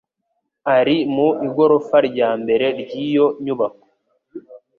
Ari mu igorofa rya mbere ryiyo nyubako.